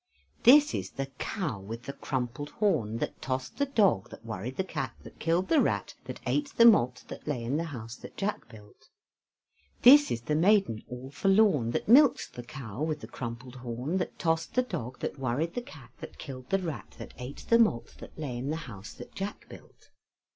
This is the cow with the crumpled horn That tossed the dog, That worried the cat, That killed the rat, That ate the malt That lay in the house that Jack built. This is the maiden all forlorn, That milked the cow with the crumpled horn, That tossed the dog, That worried the cat, That killed the rat, That ate the malt That lay in the house that Jack built.